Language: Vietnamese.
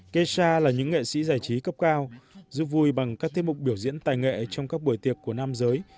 kesa là những nghệ sĩ giải trí cấp cao rất vui bằng các tiết mục biểu diễn tài nghệ trong các buổi tiệc của nam giới